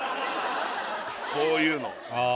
こういうのああ